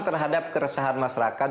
terhadap keresahan masyarakat